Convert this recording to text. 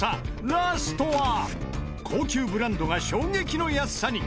ラストは高級ブランドが衝撃の安さに！